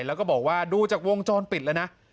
และบอกว่าดูจากวงจรปิดและน่ะ